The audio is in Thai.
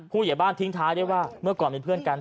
ผู้ใหญ่บ้านทิ้งท้ายได้ว่าเมื่อก่อนเป็นเพื่อนกัน